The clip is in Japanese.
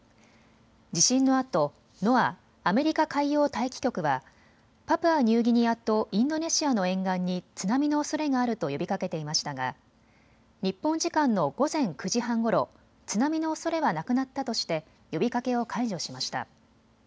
地震のあとＮＯＡＡ・アメリカ海洋大気局はパプアニューギニアとインドネシアの沿岸に津波のおそれがあると呼びかけていましたが日本時間の午前９時半ごろ津波のおそれはなくなったとして呼びかけを解除しました。